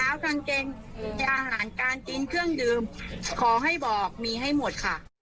ยาห่านการกินเครื่องดื่มขอให้บอกมีให้หมด